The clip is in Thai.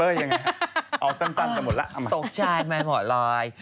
เอาสั้นจะหมดละเอามา